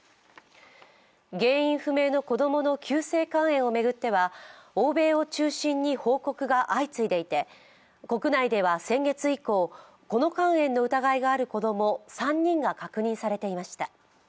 原因不明の子供の急性肝炎を巡っては欧米を中心に報告が相次いでいて国内では先月以降、この肝炎の疑いがある子供３人が確認されていました。